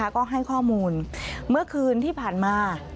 ก็ให้ข้อมูลเมื่อคืนที่ผ่านมา